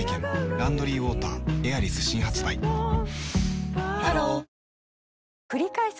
「ランドリーウォーターエアリス」新発売ハローくりかえす